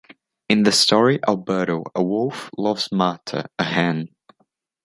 In the story, Alberto, a wolf, loves Marta, a hen.